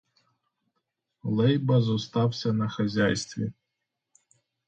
Лейба зостався на хазяйстві.